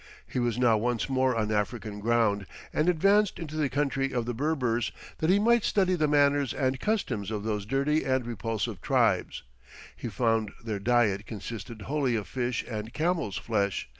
He was now once more on African ground, and advanced into the country of the Berbers, that he might study the manners and customs of those dirty and repulsive tribes; he found their diet consisted wholly of fish and camels' flesh.